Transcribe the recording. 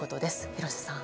廣瀬さん。